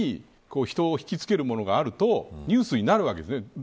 ある意味、人をひきつけるものがあるとニュースになるわけですね。